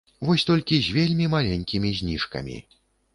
Вось толькі з вельмі маленькімі зніжкамі.